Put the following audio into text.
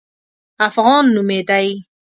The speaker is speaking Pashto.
افغان نومېدی.